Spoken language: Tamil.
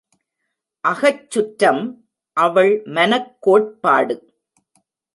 அகச்சுற்றம் அவள் மனக் கோட்பாடு.